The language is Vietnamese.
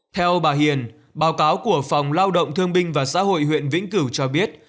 theo bà hiền báo cáo của phòng lao động thương binh và xã hội huyện vĩnh cửu cho biết